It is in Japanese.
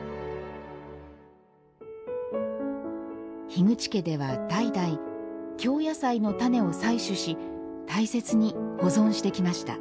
樋口家では代々京野菜の種を採取し大切に保存してきました。